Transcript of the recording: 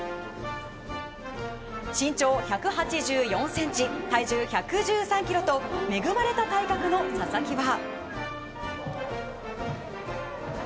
身長１８４ｃｍ体重１１３ｋｇと恵まれた体格の佐々木は。